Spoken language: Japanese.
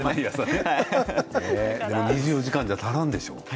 ２４時間じゃ足りないでしょ？